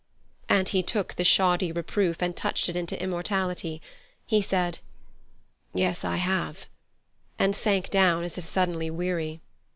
And he took the shoddy reproof and touched it into immortality. He said: "Yes, I have," and sank down as if suddenly weary.